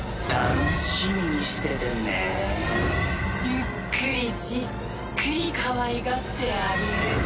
ゆっくりじっくりかわいがってあげる。